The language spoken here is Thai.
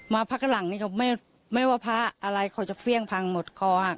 มาพระกะหลังนี่ก็ไม่ว่าพระอะไรเค้าจะเฟี้ยงพังหมดคอ